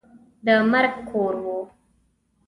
د مرګ کور وو.